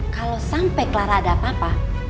kalau sampai clara ada apa apa